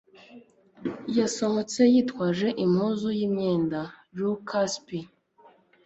Yasohotse yitwaje impuzu y'imyenda. (lukaszpp)